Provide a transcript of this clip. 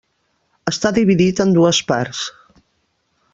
Està dividit en dues parts.